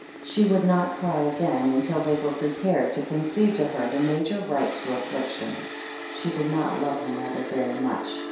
She would not cry again until they were prepared to concede to her the major right to aiffliction! She did not love her mother very much.